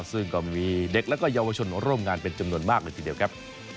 ซึ่งก็มีเด็กและเยาวชนร่วมงานเป็นจำนวนมากเลยทีเดียวครับ